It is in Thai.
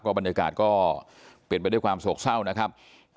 บรรยากาศก็เป็นไปด้วยความโศกเศร้านะครับ